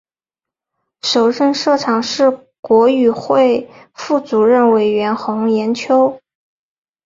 首任社长是国语会副主任委员洪炎秋。